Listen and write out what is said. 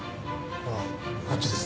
あっこっちです。